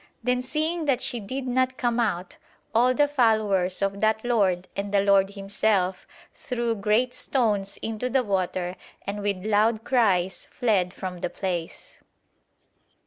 Then seeing that she did not come out, all the followers of that lord and the lord himself threw great stones into the water and with loud cries fled from the place."